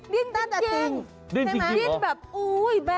ดิ้นจริงดิ้นจริงอ๋อสงสัยจะชอบ